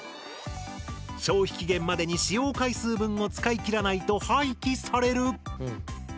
消費期限までに使用回数分を使い切らないと廃棄される。